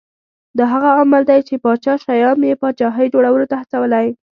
دا هغه عامل دی چې پاچا شیام یې پاچاهۍ جوړولو ته هڅولی